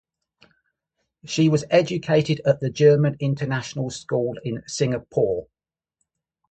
She was educated at the German International School in Singapore.